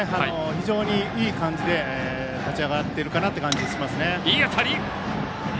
非常にいい感じで立ち上がっているかなという感じがします。